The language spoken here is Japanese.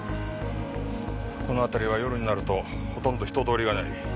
この辺りは夜になるとほとんど人通りがない。